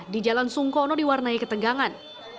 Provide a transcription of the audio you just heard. di jalan sungkono di warnai ketenggangan